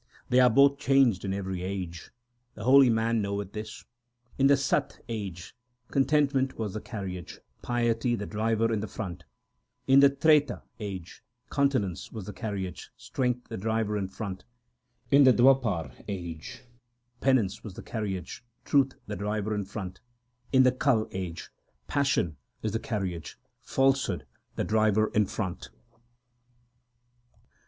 They are both changed in every age : the holy man knoweth this. In the Sat age contentment was the carriage, piety the driver in front ; In the Treta age continence was the carriage, strength the driver in front ; In the Dwapar age penance was the carriage, truth the driver in front ; In the Kal age passion 2 is the carriage, falsehood the driver in front.